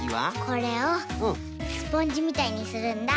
これをスポンジみたいにするんだ。